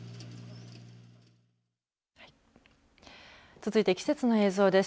続いて季節の映像です。